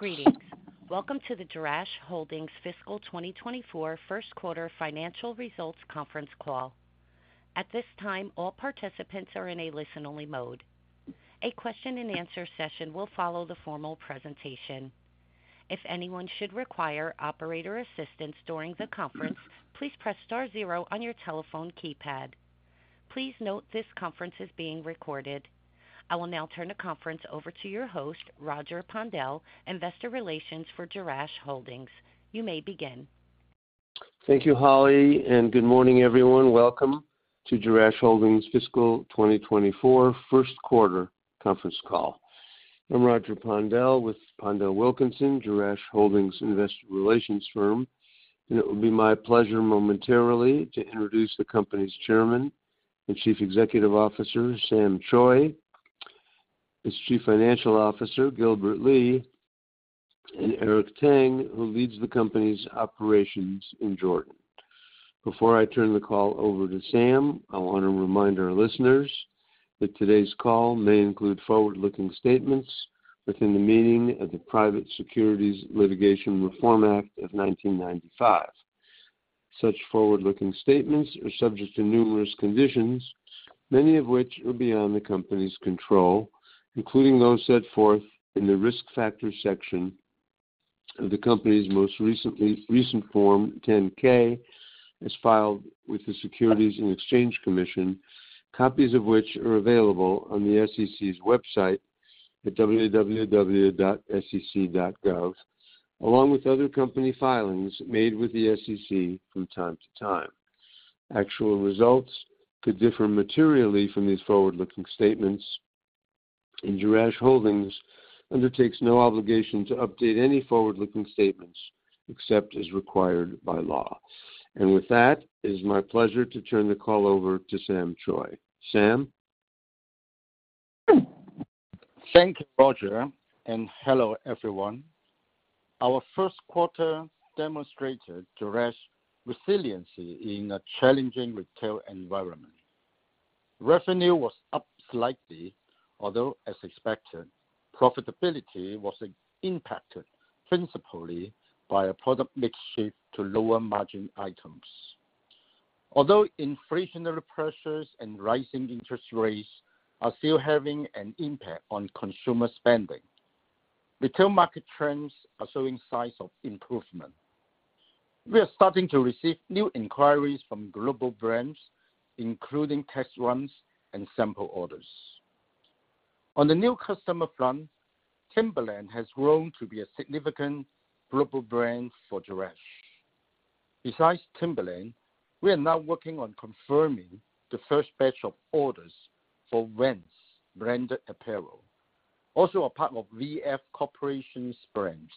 Greetings. Welcome to the Jerash Holdings Fiscal 2024 first quarter financial results conference call. At this time, all participants are in a listen-only mode. A question-and-answer session will follow the formal presentation. If anyone should require operator assistance during the conference, please press star zero on your telephone keypad. Please note this conference is being recorded. I will now turn the conference over to your host, Roger Pondel, Investor Relations for Jerash Holdings. You may begin. Thank you, Holly, and good morning, everyone. Welcome to Jerash Holdings Fiscal 2024 first quarter conference call. I'm Roger Pondel with PondelWilkinson, Jerash Holdings investor relations firm, and it will be my pleasure momentarily to introduce the company's Chairman and Chief Executive Officer, Sam Choi; his Chief Financial Officer, Gilbert Lee; and Eric Tang, who leads the company's operations in Jordan. Before I turn the call over to Sam, I want to remind our listeners that today's call may include forward-looking statements within the meaning of the Private Securities Litigation Reform Act of 1995. Such forward-looking statements are subject to numerous conditions, many of which are beyond the company's control, including those set forth in the Risk Factors section of the company's recent Form 10-K, as filed with the Securities and Exchange Commission. Copies of which are available on the SEC's website at www.sec.gov, along with other company filings made with the SEC from time to time. Actual results could differ materially from these forward-looking statements, and Jerash Holdings undertakes no obligation to update any forward-looking statements except as required by law. With that, it is my pleasure to turn the call over to Sam Choi. Sam? Thank you, Roger. Hello, everyone. Our first quarter demonstrated Jerash's resiliency in a challenging retail environment. Revenue was up slightly, although, as expected, profitability was impacted principally by a product mix shift to lower-margin items. Inflationary pressures and rising interest rates are still having an impact on consumer spending, retail market trends are showing signs of improvement. We are starting to receive new inquiries from global brands, including test runs and sample orders. On the new customer front, Timberland has grown to be a significant global brand for Jerash. Besides Timberland, we are now working on confirming the first batch of orders for Vans branded apparel, also a part of VF Corporation's brands.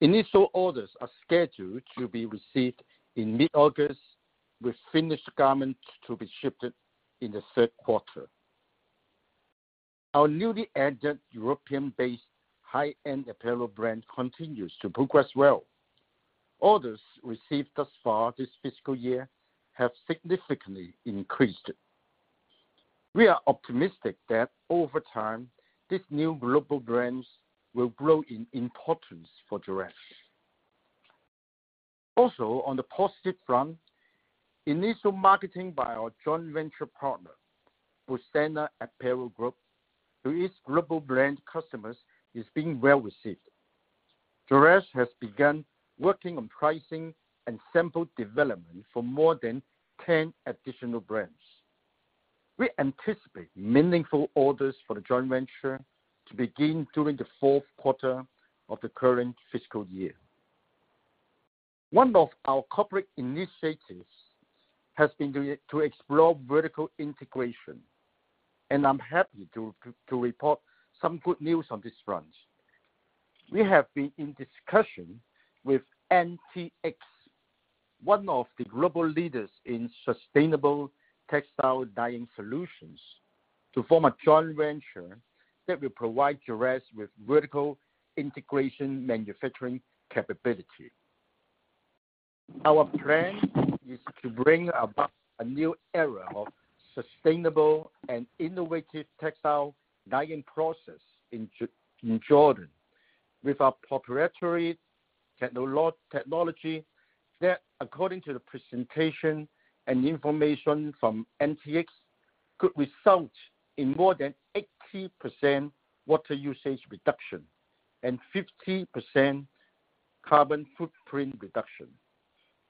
Initial orders are scheduled to be received in mid-August, with finished garments to be shipped in the third quarter. Our newly added European-based high-end apparel brand continues to progress well. Orders received thus far this fiscal year have significantly increased. We are optimistic that over time, these new global brands will grow in importance for Jerash. Also, on the positive front, initial marketing by our joint venture partner, Busana Apparel Group, to its global brand customers, is being well-received. Jerash has begun working on pricing and sample development for more than 10 additional brands. We anticipate meaningful orders for the joint venture to begin during the fourth quarter of the current fiscal year. One of our corporate initiatives has been to explore vertical integration, and I'm happy to report some good news on this front. We have been in discussion with NTX, one of the global leaders in sustainable textile dyeing solutions, to form a joint venture that will provide Jerash with vertical integration manufacturing capability. Our plan is to bring about a new era of sustainable and innovative textile dyeing process in Jordan, with our proprietary technology that, according to the presentation and information from NTX, could result in more than 80% water usage reduction and 50% carbon footprint reduction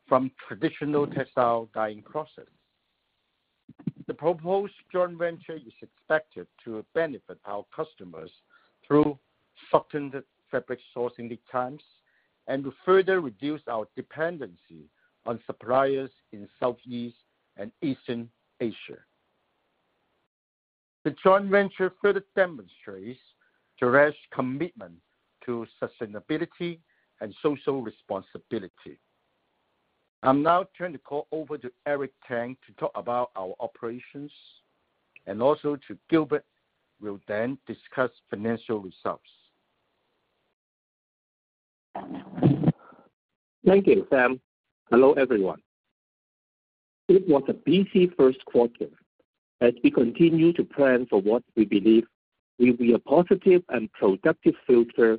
from traditional textile dyeing processes. The proposed joint venture is expected to benefit our customers through shortened fabric sourcing lead times and to further reduce our dependency on suppliers in Southeast and Eastern Asia. The joint venture further demonstrates Jerash's commitment to sustainability and social responsibility. I'll now turn the call over to Eric Tang to talk about our operations, and also to Gilbert, will then discuss financial results. Thank you, Sam. Hello, everyone. It was a busy first quarter as we continue to plan for what we believe will be a positive and productive filter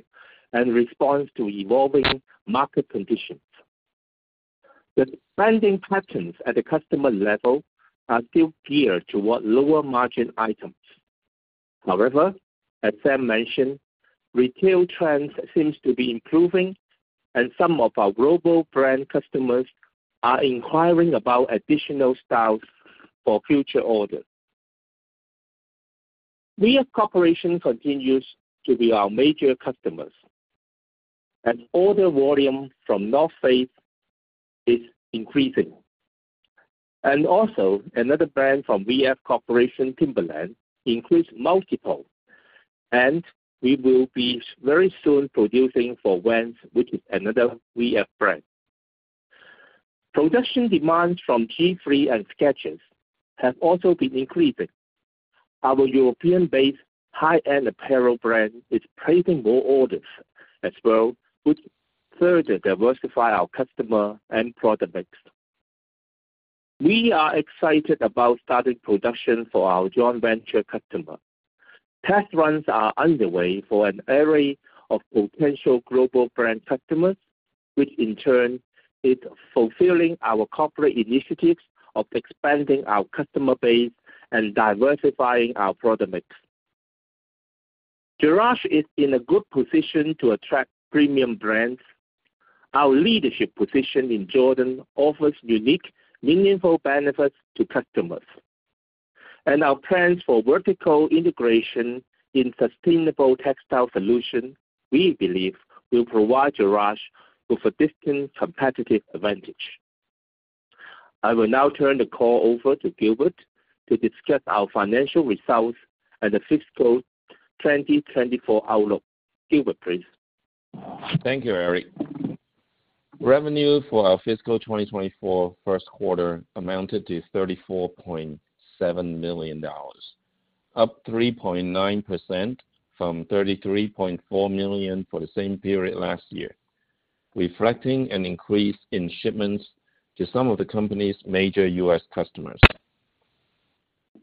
and response to evolving market conditions. The spending patterns at the customer level are still geared toward lower-margin items. However, as Sam mentioned, retail trends seems to be improving, and some of our global brand customers are inquiring about additional styles for future orders. VF Corporation continues to be our major customers. Order volume from The North Face is increasing. Also, another brand from VF Corporation, Timberland, increased multiple, and we will be very soon producing for Vans, which is another VF brand. Production demands from G-III and Skechers have also been increasing. Our European-based high-end apparel brand is placing more orders as well, which further diversify our customer and product mix. We are excited about starting production for our joint venture customer. Test runs are underway for an array of potential global brand customers, which in turn is fulfilling our corporate initiatives of expanding our customer base and diversifying our product mix. Jerash is in a good position to attract premium brands. Our leadership position in Jordan offers unique, meaningful benefits to customers. Our plans for vertical integration in sustainable textile solution, we believe, will provide Jerash with a distinct competitive advantage. I will now turn the call over to Gilbert to discuss our financial results and the fiscal 2024 outlook. Gilbert, please. Thank you, Eric. Revenue for our fiscal 2024 first quarter amounted to $34.7 million, up 3.9% from $33.4 million for the same period last year, reflecting an increase in shipments to some of the company's major U.S. customers.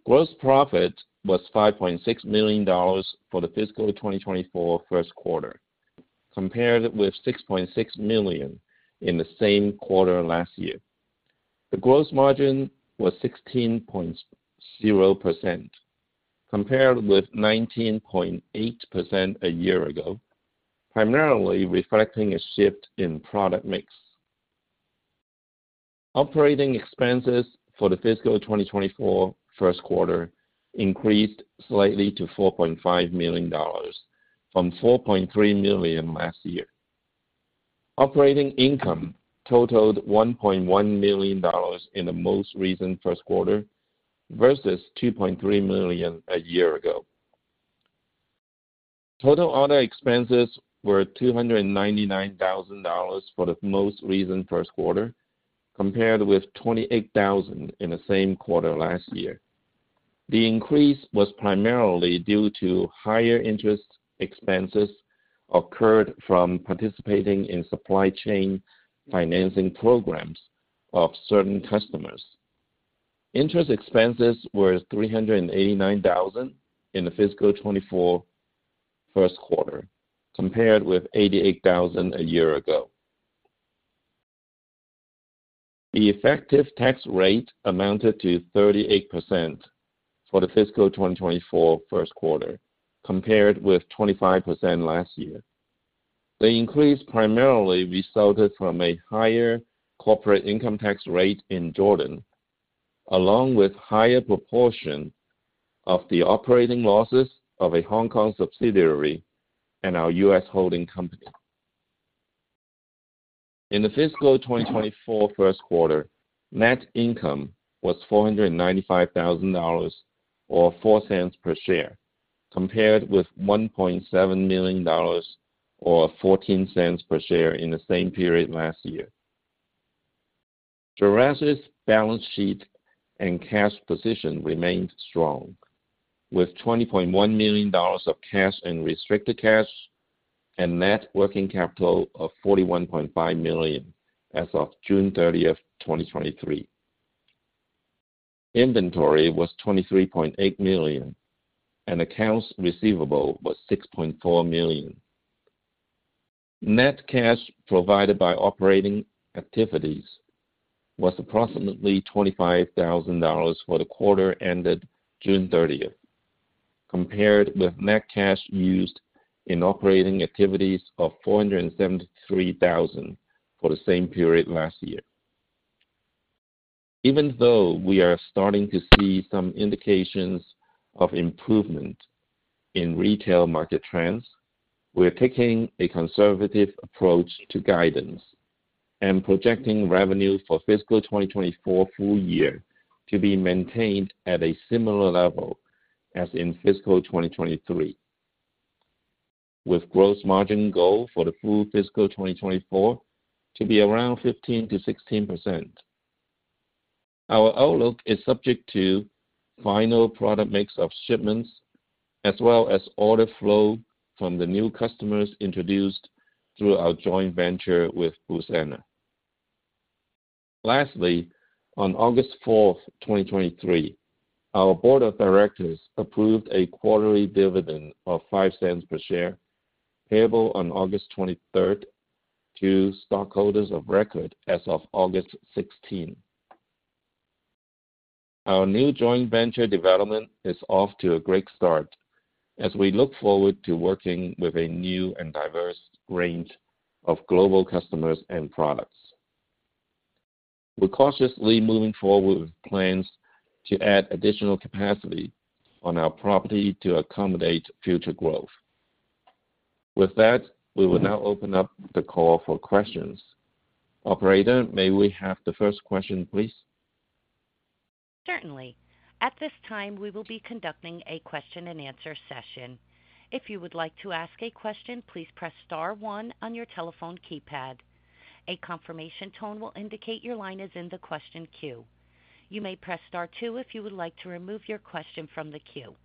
Gross profit was $5.6 million for the fiscal 2024 first quarter, compared with $6.6 million in the same quarter last year. The gross margin was 16.0%, compared with 19.8% a year ago, primarily reflecting a shift in product mix. Operating expenses for the fiscal 2024 first quarter increased slightly to $4.5 million from $4.3 million last year. Operating income totaled $1.1 million in the most recent first quarter versus $2.3 million a year ago. Total other expenses were $299,000 for the most recent first quarter, compared with $28,000 in the same quarter last year. The increase was primarily due to higher interest expenses occurred from participating in supply chain financing programs of certain customers. Interest expenses were $389,000 in the fiscal 2024 first quarter, compared with $88,000 a year ago. The effective tax rate amounted to 38% for the fiscal 2024 first quarter, compared with 25% last year. The increase primarily resulted from a higher corporate income tax rate in Jordan, along with higher proportion of the operating losses of a Hong Kong subsidiary and our U.S. holding company. In the fiscal 2024 first quarter, net income was $495,000, or $0.04 per share, compared with $1.7 million, or $0.14 per share in the same period last year. Jerash's balance sheet and cash position remained strong, with $21 million of cash and restricted cash, and net working capital of $41.5 million as of June 30th, 2023. Inventory was $23.8 million, and accounts receivable was $6.4 million. Net cash provided by operating activities was approximately $25,000 for the quarter ended June 30th, compared with net cash used in operating activities of $473,000 for the same period last year. Even though we are starting to see some indications of improvement in retail market trends, we are taking a conservative approach to guidance and projecting revenue for fiscal 2024 full year to be maintained at a similar level as in fiscal 2023, with gross margin goal for the full fiscal 2024 to be around 15%-16%. Our outlook is subject to final product mix of shipments, as well as order flow from the new customers introduced through our joint venture with Busana. Lastly, on August 4th, 2023, our board of directors approved a quarterly dividend of $0.05 per share, payable on August 23rd, to stockholders of record as of August 16th. Our new joint venture development is off to a great start as we look forward to working with a new and diverse range of global customers and products. We're cautiously moving forward with plans to add additional capacity on our property to accommodate future growth. With that, we will now open up the call for questions. Operator, may we have the first question, please? Certainly. At this time, we will be conducting a question and answer session. If you would like to ask a question, please press star one on your telephone keypad. A confirmation tone will indicate your line is in the question queue. You may press star two if you would like to remove your question from the queue.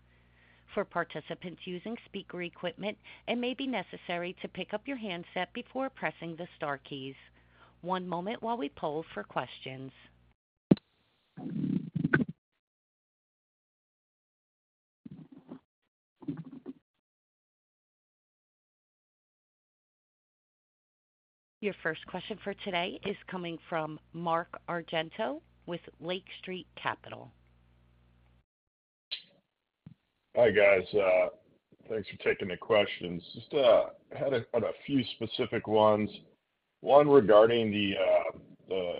For participants using speaker equipment, it may be necessary to pick up your handset before pressing the star keys. One moment while we poll for questions. Your first question for today is coming from Mark Argento with Lake Street Capital. Hi, guys. Thanks for taking the questions. Just had a, had a few specific ones. One regarding the, the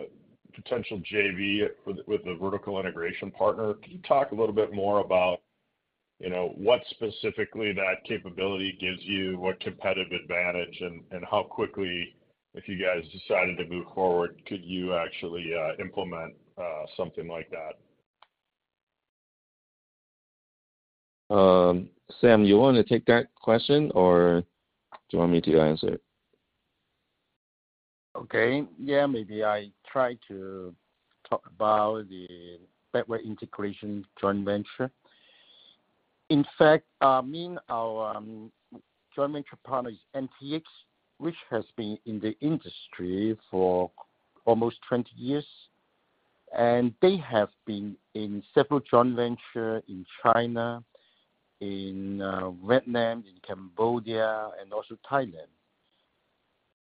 potential JV with, with the vertical integration partner. Can you talk a little bit more about, you know, what specifically that capability gives you, what competitive advantage, and, and how quickly, if you guys decided to move forward, could you actually implement something like that? Sam, you want to take that question, or do you want me to answer it? Okay. Yeah, maybe I try to talk about the backward integration joint venture. In fact, I mean, our joint venture partner is NTX, which has been in the industry for almost 20 years, and they have been in several joint venture in China, in Vietnam, in Cambodia, and also Thailand.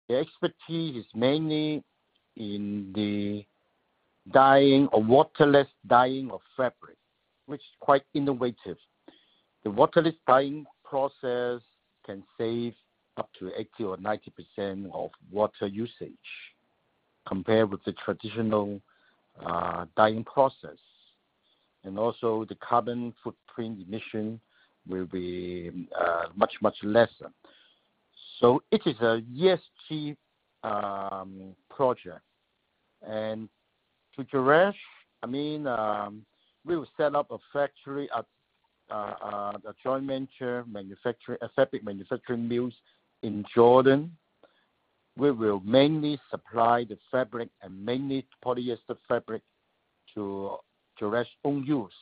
Their expertise is mainly in the dyeing or waterless dyeing of fabric, which is quite innovative. The waterless dyeing process can save up to 80% or 90% of water usage compared with the traditional dyeing process, and also the carbon footprint emission will be much, much lesser. It is a ESG project. To Jerash, I mean, we will set up a factory at the joint venture manufacturer, a fabric manufacturing mills in Jordan. We will mainly supply the fabric and mainly polyester fabric to, to Jerash own use.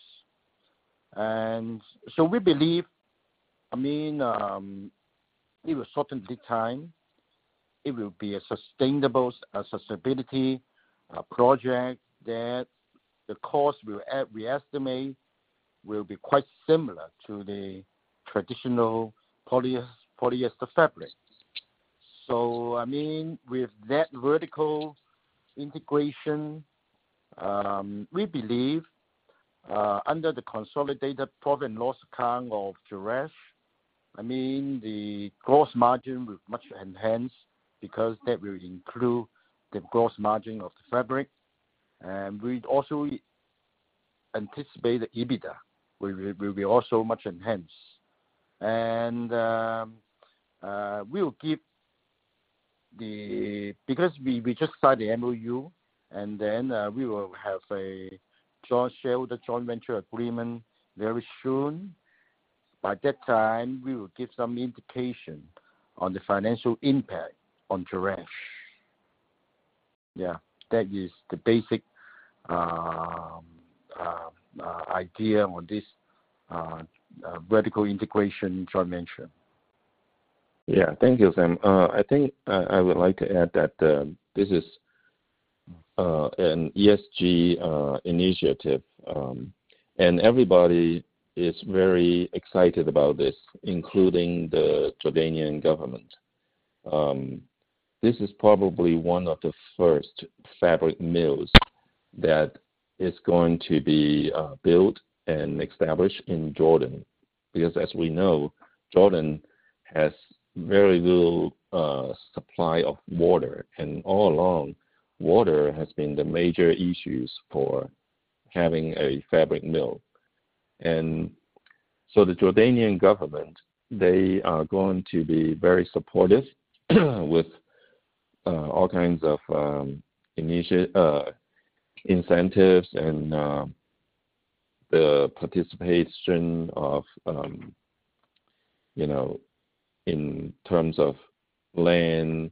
We believe, I mean, it will certainly time, it will be a sustainable, a sustainability project, that the cost we estimate will be quite similar to the traditional polyester fabric. I mean, with that vertical integration, we believe, under the consolidated profit and loss account of Jerash, I mean, the gross margin will much enhance because that will include the gross margin of the fabric. We'd also anticipate the EBITDA will be also much enhanced. We'll keep the... Because we just signed the MOU, we will have a joint sharehold, a joint venture agreement very soon. By that time, we will give some indication on the financial impact on Jerash. Yeah, that is the basic idea on this vertical integration joint venture. Yeah. Thank you, Sam. I think I would like to add that this is an ESG initiative, and everybody is very excited about this, including the Jordanian government. This is probably one of the first fabric mills that is going to be built and established in Jordan, because as we know, Jordan has very little supply of water, and all along, water has been the major issues for having a fabric mill. The Jordanian government, they are going to be very supportive, with all kinds of incentives and the participation of, you know, in terms of land,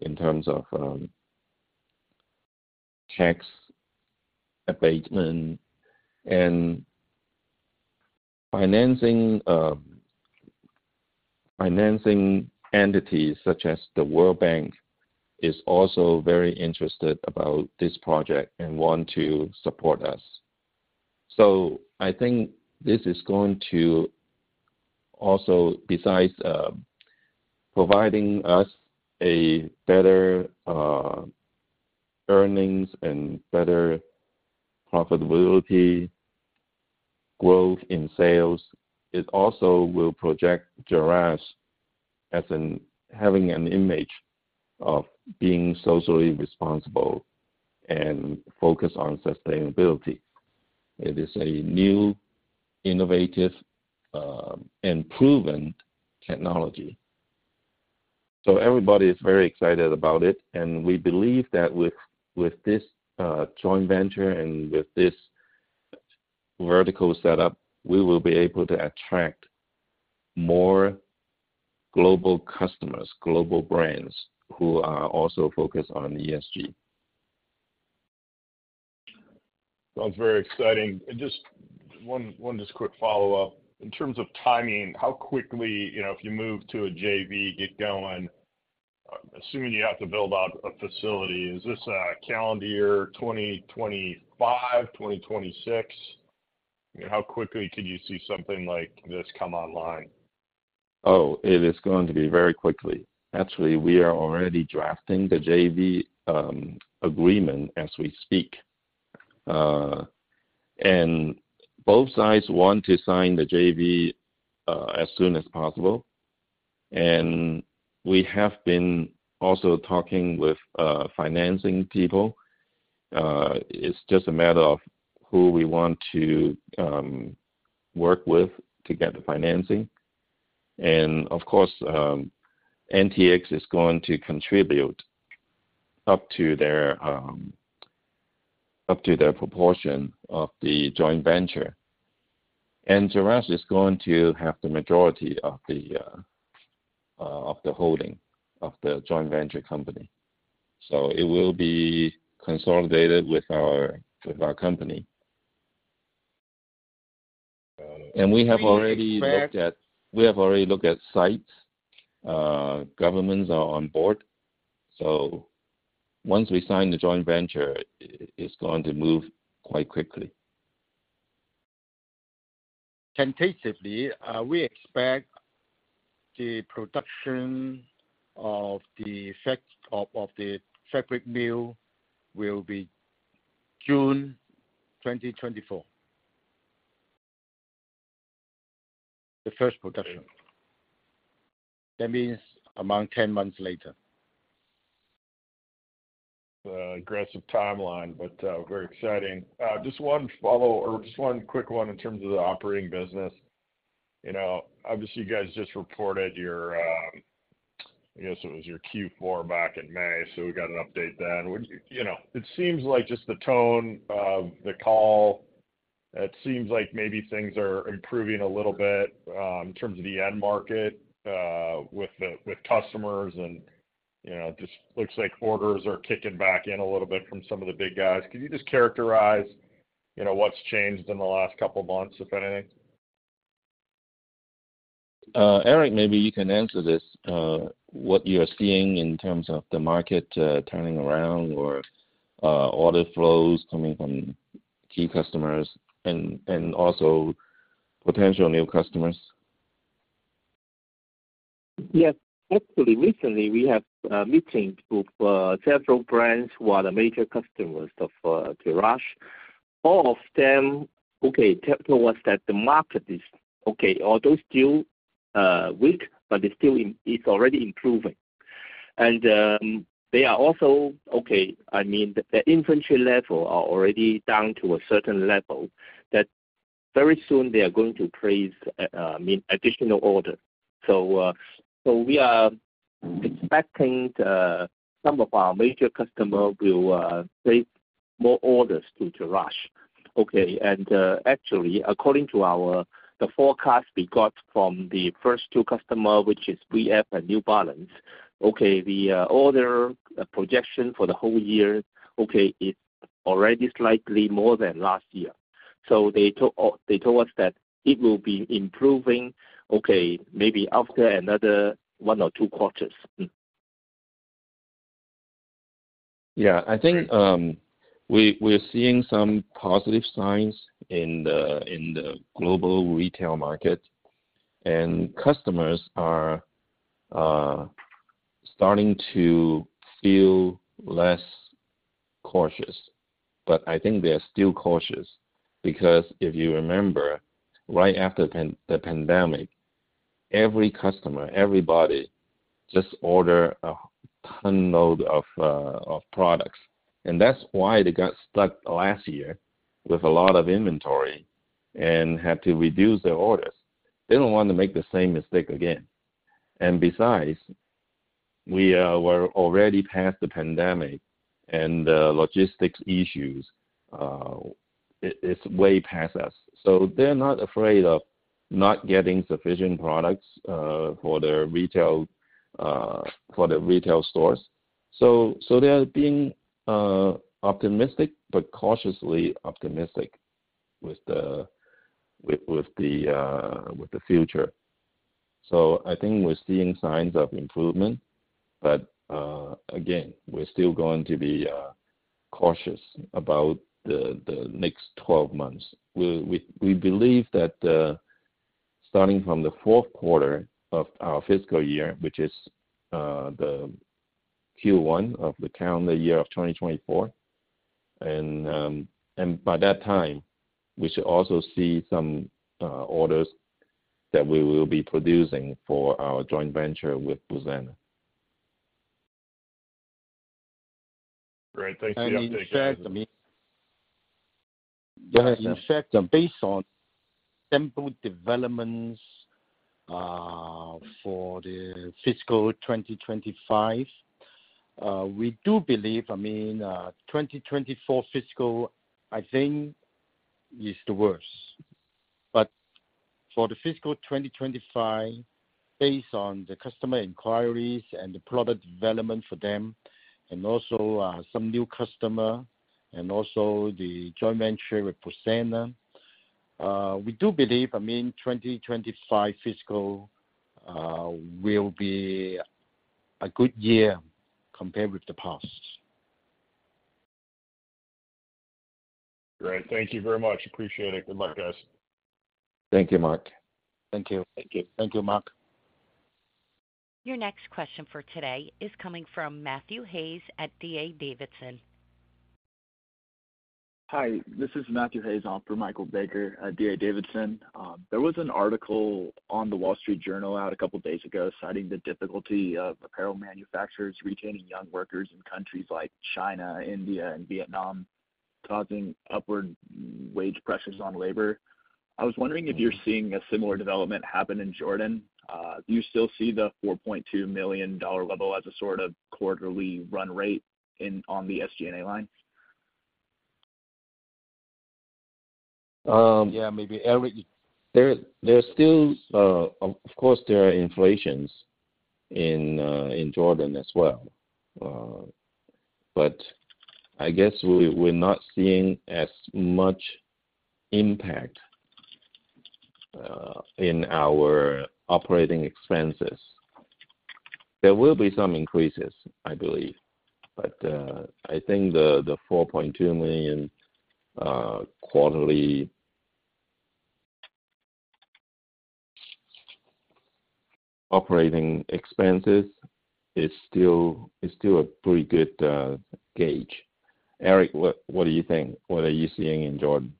in terms of tax abatement and financing, financing entities such as the World Bank, is also very interested about this project and want to support us. I think this is going to also, besides, providing us a better, earnings and better profitability, growth in sales, it also will project Jerash as in having an image of being socially responsible and focused on sustainability. It is a new, innovative, and proven technology. Everybody is very excited about it, and we believe that with, with this, joint venture and with this vertical setup, we will be able to attract more global customers, global brands, who are also focused on ESG. Sounds very exciting. Just one, one just quick follow-up. In terms of timing, how quickly, you know, if you move to a JV, get going, assuming you have to build out a facility, is this a calendar year 2025, 2026? How quickly could you see something like this come online? Oh, it is going to be very quickly. Actually, we are already drafting the JV agreement as we speak. Both sides want to sign the JV as soon as possible, and we have been also talking with financing people. It's just a matter of who we want to work with to get the financing. Of course, NTX is going to contribute up to their up to their proportion of the joint venture. Jerash is going to have the majority of the of the holding of the joint venture company. It will be consolidated with our, with our company. Got it. We have already looked at- We expect. We have already looked at sites. Governments are on board, so once we sign the joint venture, it, it's going to move quite quickly. Tentatively, we expect the production of the set of, of the fabric mill will be June 2024. The first production. That means among 10 months later. Aggressive timeline, but very exciting. Just one follow or just one quick one in terms of the operating business. You know, obviously, you guys just reported your, I guess it was your Q4 back in May. We got an update then. Would you? You know, it seems like just the tone of the call, it seems like maybe things are improving a little bit, in terms of the end market, with the, with customers, and, you know, just looks like orders are kicking back in a little bit from some of the big guys. Could you just characterize, you know, what's changed in the last couple of months, if anything? Eric, maybe you can answer this, what you are seeing in terms of the market, turning around or, order flows coming from key customers and, and also potential new customers. Yes. Actually, recently, we have meetings with several brands who are the major customers of Jerash. All of them tell to us that the market is okay, although still weak. It's already improving. They are also, I mean, the inventory level are already down to a certain level, that very soon they are going to place additional order. So we are expecting some of our major customer will place more orders to Jerash. Actually, according to our, the forecast we got from the first two customer, which is VF and New Balance, the order projection for the whole year, it's already slightly more than last year. They told us, they told us that it will be improving, maybe after another one or two quarters. Yeah, I think, we're seeing some positive signs in the global retail market, and customers are starting to feel less cautious. I think they are still cautious because if you remember, right after the pandemic, every customer, everybody, just order a ton load of products. That's why they got stuck last year with a lot of inventory and had to reduce their orders. They don't want to make the same mistake again. Besides, we were already past the pandemic, and logistics issues, it's way past us. They're not afraid of not getting sufficient products for their retail, for the retail stores. They are being optimistic, but cautiously optimistic with the future. I think we're seeing signs of improvement, but again, we're still going to be cautious about the next 12 months. We, we, we believe that starting from the fourth quarter of our fiscal year, which is the Q1 of the calendar year of 2024, by that time, we should also see some orders that we will be producing for our joint venture with Busana. Great. Thanks for the update. In fact, I mean. Go ahead, Eric. In fact, based on sample developments, for the fiscal 2025, we do believe, I mean, 2024 fiscal, I think is the worst. For the fiscal 2025, based on the customer inquiries and the product development for them, and also, some new customer, and also the joint venture with Busana, we do believe, I mean, 2025 fiscal, will be a good year compared with the past. Great. Thank you very much. Appreciate it. Good luck, guys. Thank you, Mark. Thank you. Thank you. Thank you, Mark. Your next question for today is coming from Matthew Hayes at D.A. Davidson. Hi, this is Matthew Hayes, on for Michael Baker at D.A. Davidson. There was an article on the Wall Street Journal out a couple of days ago, citing the difficulty of apparel manufacturers retaining young workers in countries like China, India, and Vietnam, causing upward wage pressures on labor. I was wondering if you're seeing a similar development happen in Jordan? Do you still see the $4.2 million level as a sort of quarterly run rate in, on the SG&A line? Yeah, maybe Eric... There, there's still. Of course, there are inflations in Jordan as well. But I guess we're not seeing as much impact in our operating expenses. There will be some increases, I believe, but I think the, the $4.2 million quarterly operating expenses is still, is still a pretty good gauge. Eric, what, what do you think? What are you seeing in Jordan?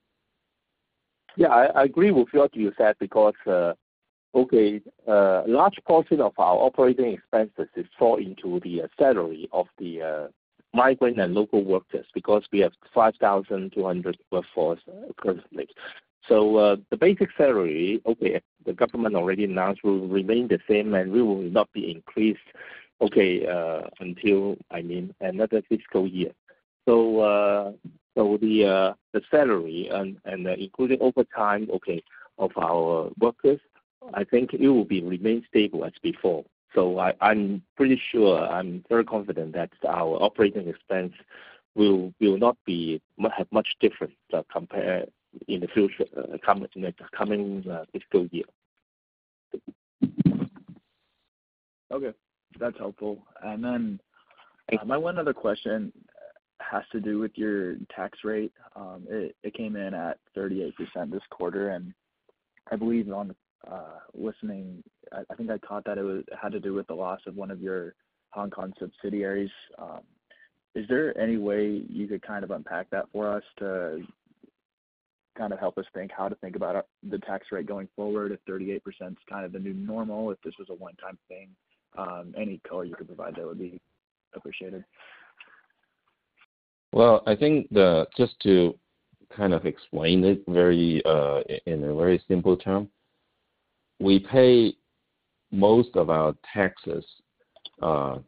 Yeah, I, I agree with what you said because, okay, a large portion of our operating expenses is fall into the salary of the migrant and local workers, because we have 5,200 workforce, currently. The basic salary, okay, the government already announced will remain the same, and we will not be increased, okay, until, I mean, another fiscal year. So the salary and, and including overtime, okay, of our workers, I think it will be remain stable as before. I, I'm pretty sure, I'm very confident that our operating expense will, will not be, have much different, compared in the future, coming, in the coming, fiscal year. Okay, that's helpful. Then, my one other question has to do with your tax rate. It, it came in at 38% this quarter, and I believe on listening, I, I think I caught that it had to do with the loss of one of your Hong Kong subsidiaries. Is there any way you could kind of unpack that for us to kind of help us think how to think about the tax rate going forward, if 38% is kind of the new normal, if this was a one-time thing? Any color you could provide, that would be appreciated. Well, I think the... Just to kind of explain it very in a very simple term, we pay most of our taxes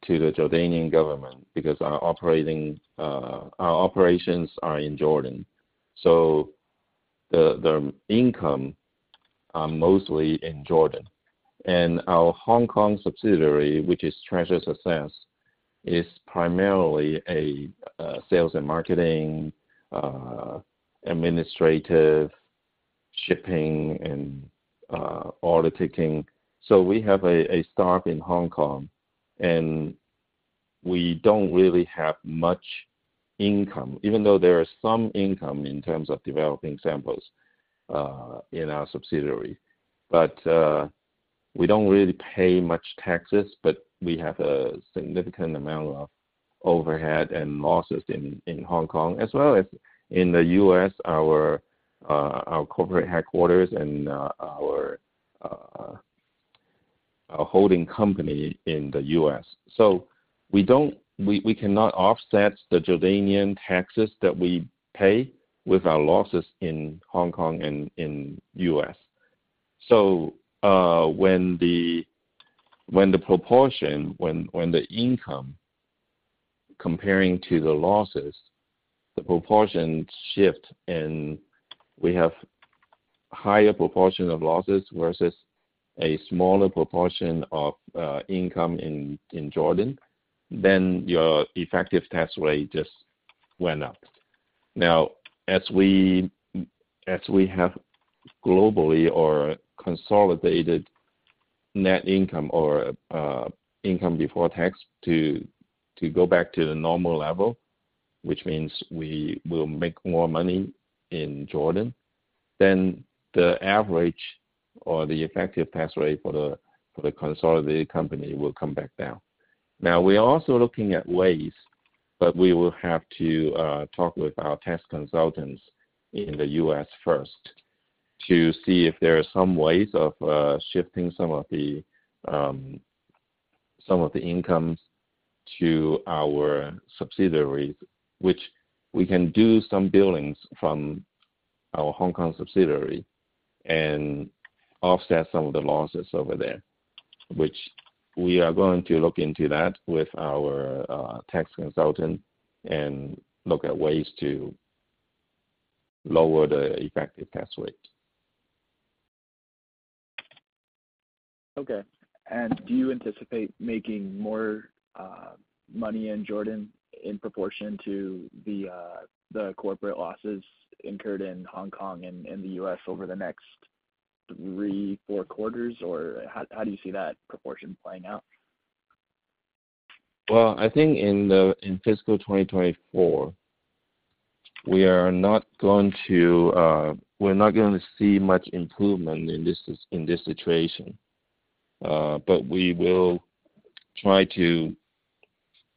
to the Jordanian government because our operating, our operations are in Jordan, so the, the income are mostly in Jordan. Our Hong Kong subsidiary, which is Treasure Success, is primarily a sales and marketing, administrative, shipping, and order taking. We have a start in Hong Kong, and we don't really have much income, even though there is some income in terms of developing samples in our subsidiary. We don't really pay much taxes, but we have a significant amount of overhead and losses in Hong Kong, as well as in the U.S., our corporate headquarters and our holding company in the U.S. We, we cannot offset the Jordanian taxes that we pay with our losses in Hong Kong and in U.S. When the proportion, when the income comparing to the losses, the proportion shift and we have higher proportion of losses versus a smaller proportion of income in Jordan, then your effective tax rate just went up. Now, as we, as we have globally or consolidated net income or income before tax to, to go back to the normal level, which means we will make more money in Jordan, then the average or the effective tax rate for the, for the consolidated company will come back down. We are also looking at ways, but we will have to talk with our tax consultants in the US first, to see if there are some ways of shifting some of the some of the incomes to our subsidiaries, which we can do some billings from our Hong Kong subsidiary and offset some of the losses over there, which we are going to look into that with our tax consultant and look at ways to lower the effective tax rate. Okay. Do you anticipate making more, money in Jordan in proportion to the, the corporate losses incurred in Hong Kong and, and the US over the next three, four quarters? Or how, how do you see that proportion playing out? Well, I think in the, in fiscal 2024, we are not going to, we're not going to see much improvement in this, in this situation.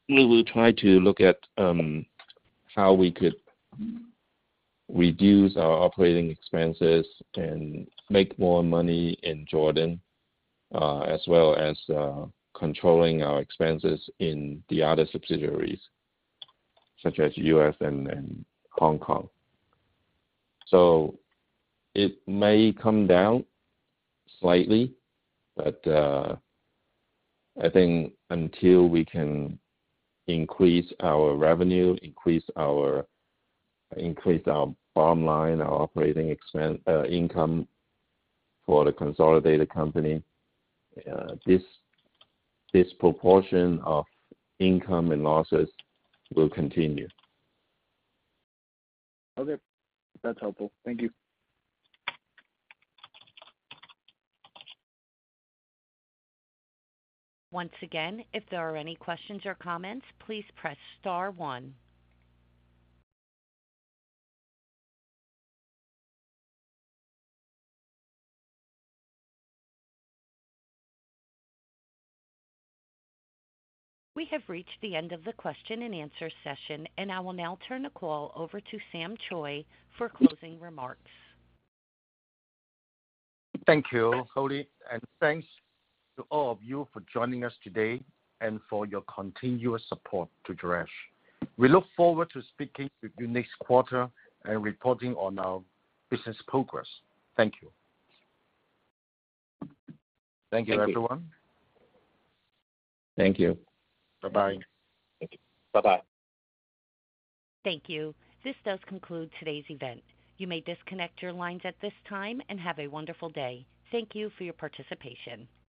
We will try to look at, how we could reduce our operating expenses and make more money in Jordan, as well as, controlling our expenses in the other subsidiaries, such as U.S. and, and Hong Kong. It may come down slightly, I think until we can increase our revenue, increase our, increase our bottom line, our operating expense, income for the consolidated company, this, this proportion of income and losses will continue. Okay. That's helpful. Thank you. Once again, if there are any questions or comments, please press star one. We have reached the end of the question and answer session, and I will now turn the call over to Sam Choi for closing remarks. Thank you, Holly, and thanks to all of you for joining us today and for your continuous support to Jerash. We look forward to speaking with you next quarter and reporting on our business progress. Thank you. Thank you, everyone. Thank you. Bye-bye. Thank you. Bye-bye. Thank you. This does conclude today's event. You may disconnect your lines at this time, and have a wonderful day. Thank you for your participation.